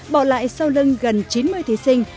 bỏ lại sau lưng gần chín mươi thí sinh